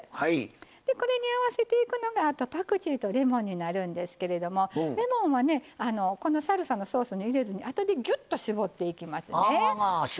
これに合わせていくのがパクチーとレモンなんですけどレモンはこのサルサのソースに入れずにあとで、ぎゅっと搾っていきますね。